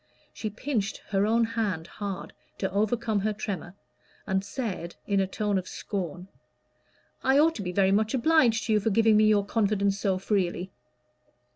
She pinched her own hand hard to overcome her tremor, and said, in a tone of scorn "I ought to be very much obliged to you for giving me your confidence so freely."